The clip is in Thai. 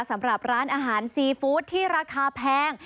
สำหรับร้านอาหารซีฟู้ดที่ราคาแพง